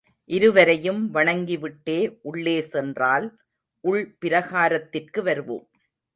இருவரையும் வணங்கிவிட்டே உள்ளே சென்றால் உள் பிராகாரத்திற்கு வருவோம்.